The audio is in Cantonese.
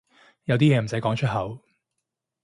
有啲嘢唔使講出口